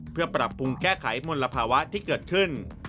เพื่อปรับปรุงแก้ไขมลภาวะที่เกิดขึ้น